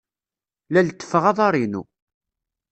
La lettfeɣ aḍar-inu.